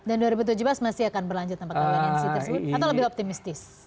dan dua ribu tujuh belas masih akan berlanjut tanpa wait and see tersebut atau lebih optimistis